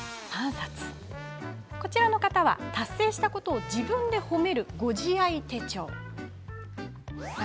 こちらの方は達成したことを自分で褒める、ご自愛手帳。